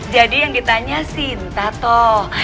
jadi yang ditanya cinta toh